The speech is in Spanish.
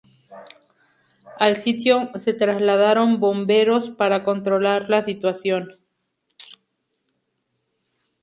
Al sitio se trasladaron bomberos para controlar la situación.